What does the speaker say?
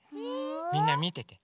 みんなみてて！